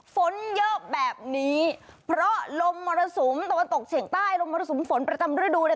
ฝนเยอะแบบนี้เพราะลมมรสุมตะวันตกเฉียงใต้ลมมรสุมฝนประจำฤดู